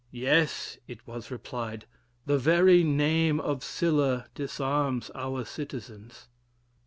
'Yes,' it was replied, 'the very name of Sylla disarms our citizens.'